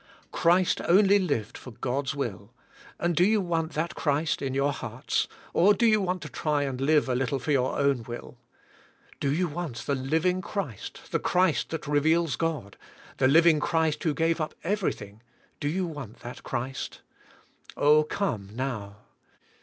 Christ only lived for God's will, and do you want that Christ in your hearts, or do you want to try and live a little for your own will ? Do you want the living Christ, the Christ that reveals God, the living Christ, who gave up everything, do you want that Christ ? Oh ! come now.